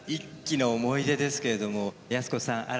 １期の思い出ですけれども靖子さん